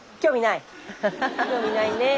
興味ないね。